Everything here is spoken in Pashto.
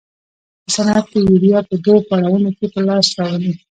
په صنعت کې یوریا په دوو پړاوونو کې په لاس راوړي.